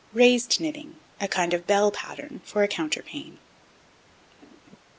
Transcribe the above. Raised Knitting, a kind of Bell Pattern, for a Counterpane.